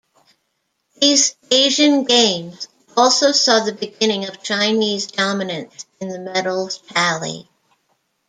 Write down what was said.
These Asian Games also saw the beginning of Chinese dominance in the medals tally.